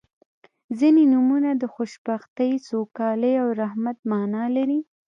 • ځینې نومونه د خوشبختۍ، سوکالۍ او رحمت معنا لري.